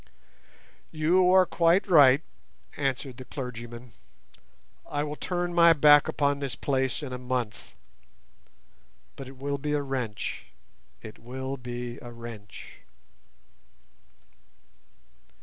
"You are quite right," answered the clergyman. "I will turn my back upon this place in a month. But it will be a wrench, it will be a wrench."